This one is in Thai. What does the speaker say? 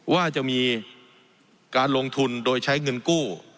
ว่าจะมีการลงทุนโดยใช้เงินกู้